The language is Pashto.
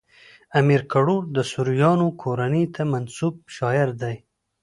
امیر کروړ د سوریانو کورنۍ ته منسوب شاعر دﺉ.